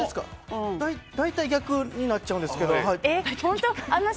大体逆になっちゃうんですけど。